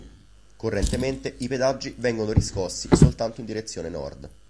Correntemente, i pedaggi vengono riscossi soltanto in direzione nord.